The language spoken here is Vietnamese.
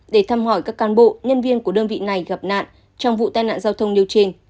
để thăm hỏi các can bộ nhân viên của đơn vị này gặp nạn trong vụ tai nạn giao thông nêu trên